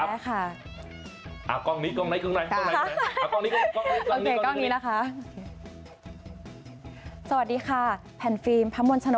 มันคว่าจะเป็นสิ่งคะกดนรามฝ์นยักษณาสมของคุณ